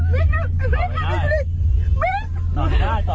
เรารองอะไรซะ